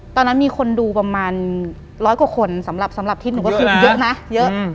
ตอนนั้นมีคนดูประมาณร้อยกว่าคนสำหรับสำหรับทิศหนูก็คือเยอะนะเยอะ